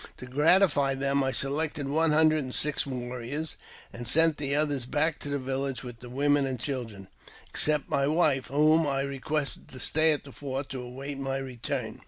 To gratify them, I select one hundred and six warriors, and sent the others back to the village with the women and children, except my wife, whom I requested to' stay at the fort to await my return.